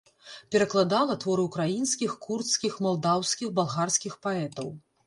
Перакладала творы ўкраінскіх, курдскіх, малдаўскіх, балгарскіх паэтаў.